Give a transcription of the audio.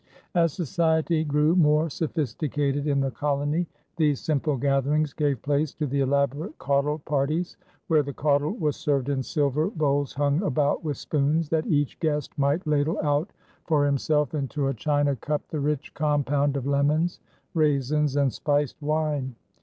As society grew more sophisticated in the colony, these simple gatherings gave place to the elaborate caudle parties, where the caudle was served in silver bowls hung about with spoons that each guest might ladle out for himself into a china cup the rich compound of lemons, raisins, and spiced wine.